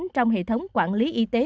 trong hệ thống quản lý y tế